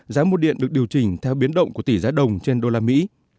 giá mua điện được điều chỉnh theo biến động của tỷ giá đồng trên đô la mỹ